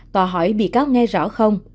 tòa hỏi bị cáo nghe rõ không